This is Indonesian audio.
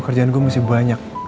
kerjaan gue mesti banyak